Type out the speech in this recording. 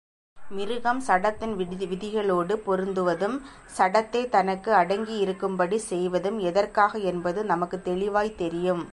மிருகம் சடத்தின் விதிகளோடு பொருதுவதும், சடத்தைத் தனக்கு அடங்கியிருக்கும்படி செய்வதும் எதற்காக என்பது நமக்குத் தெளிவாய்த் தெரியும்.